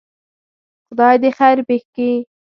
خدای دی خیر پېښ کړي.